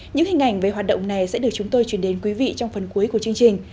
những hình ảnh về hoạt động này sẽ được chúng tôi truyền đến quý vị trong phần cuối của chương trình